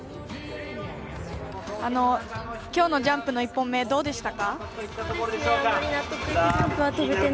今日のジャンプの１本目どうでしたか？